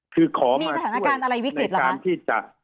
คือขอมาช่วยในการที่จะมีสถานการณ์อะไรวิกฤติหรือคะ